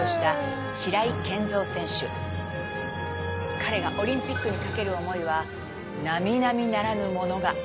彼がオリンピックにかける思いは並々ならぬものが。